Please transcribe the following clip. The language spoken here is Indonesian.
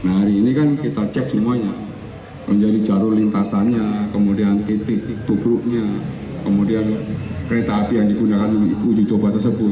nah hari ini kan kita cek semuanya menjadi jalur lintasannya kemudian titik tubruknya kemudian kereta api yang digunakan untuk uji coba tersebut